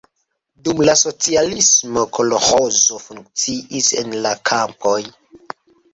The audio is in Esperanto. Dum la socialismo kolĥozo funkciis en la kampoj.